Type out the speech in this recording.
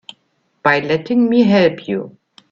By letting me help you.